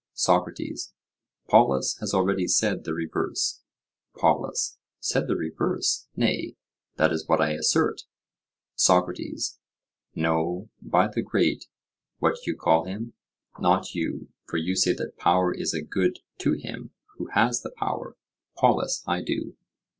SOCRATES: Polus has already said the reverse. POLUS: Said the reverse! nay, that is what I assert. SOCRATES: No, by the great—what do you call him?—not you, for you say that power is a good to him who has the power. POLUS: I do.